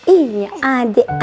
ini adik adik ganteng